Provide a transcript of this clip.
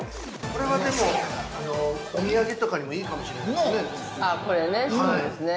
◆これは、お土産とかにもいいかもしれないですね。